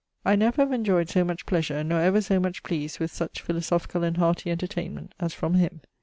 I never have enjoyed so much pleasure, nor ever so much pleased with such philosophicall and heartie entertainment as from him.